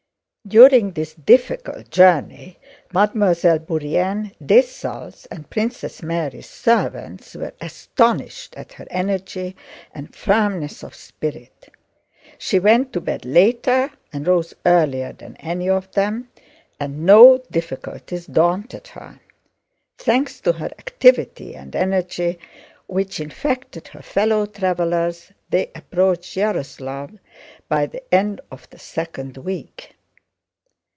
During this difficult journey Mademoiselle Bourienne, Dessalles, and Princess Mary's servants were astonished at her energy and firmness of spirit. She went to bed later and rose earlier than any of them, and no difficulties daunted her. Thanks to her activity and energy, which infected her fellow travelers, they approached Yaroslávl by the end of the second week.